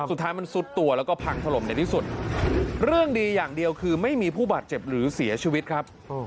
สุดท้ายมันซุดตัวแล้วก็พังถล่มในที่สุดเรื่องดีอย่างเดียวคือไม่มีผู้บาดเจ็บหรือเสียชีวิตครับ